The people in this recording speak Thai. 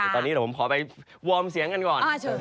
ตอนนี้ผมขอไปวอร์มเสียงกันก่อน